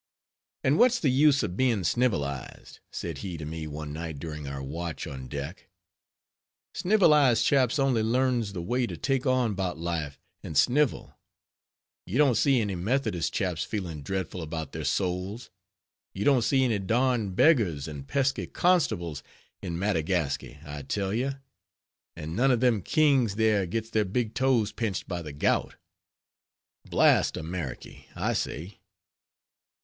"And what's the use of bein' snivelized!" said he to me one night during our watch on deck; "snivelized chaps only learns the way to take on 'bout life, and snivel. You don't see any Methodist chaps feelin' dreadful about their souls; you don't see any darned beggars and pesky constables in Madagasky, I tell ye; and none o' them kings there gets their big toes pinched by the gout. Blast Ameriky, I say."